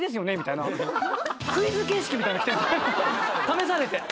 試されて。